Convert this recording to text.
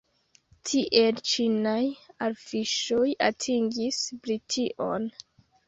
Tiel ĉinaj orfiŝoj atingis Brition.